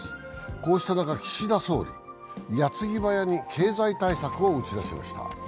こうした中、岸田総理、矢継ぎ早に経済対策を打ち出しました。